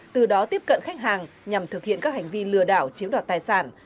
từ đó tiếp cận khách hàng nhằm thực hiện các hành vi lừa đảo chiếm đoạt tài sản